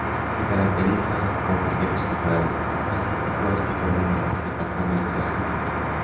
Se caracteriza con festejos culturales, artísticos y taurinos, destacando estos últimos.